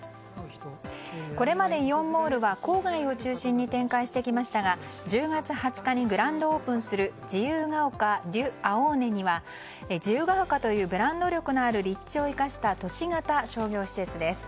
これまでイオンモールは郊外を中心に展開してきましたが１０月２０日にグランドオープンするＪＩＹＵＧＡＯＫＡｄｅａｏｎｅには自由が丘というブランド力のある立地を生かした都市型商業施設です。